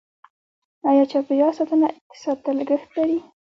آیا چاپیریال ساتنه اقتصاد ته لګښت لري؟